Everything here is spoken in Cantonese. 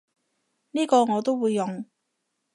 呢個我都會用